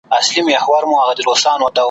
چي به پورته د غوايی سولې رمباړي `